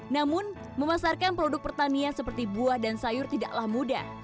namun memasarkan produk pertanian seperti buah dan sayur tidaklah mudah